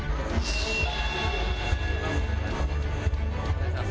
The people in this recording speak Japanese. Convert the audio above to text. お願いします。